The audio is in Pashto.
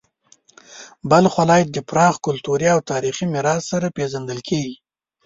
بلخ ولایت د پراخ کلتوري او تاریخي میراث سره پیژندل کیږي.